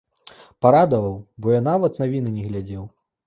Парадаваў, бо я нават навіны не глядзеў.